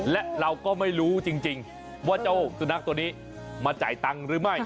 และเราก็ไม่รู้จริงว่าเจ้าสุนัขตัวนี้มาจ่ายตังค์หรือไม่